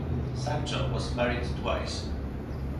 Sancho was married twice.